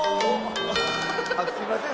あっすいません。